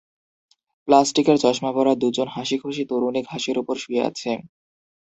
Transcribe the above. প্লাস্টিকের চশমা পরা দুজন হাসিখুশি তরুণী ঘাসের ওপর শুয়ে আছে।